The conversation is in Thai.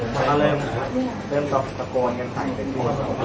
เค้าเริ่มสะโกนกันแต่เหนือโต